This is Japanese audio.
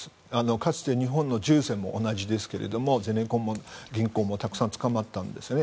かつて日本の住専も同じですけれどゼネコンも銀行もたくさん捕まったんですね。